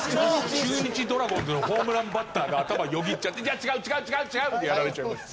中日ドラゴンズのホームランバッターが頭よぎっちゃっていや違う違う違う違うでやられちゃいました。